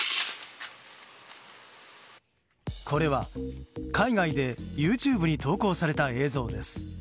これは海外でＹｏｕＴｕｂｅに投稿された映像です。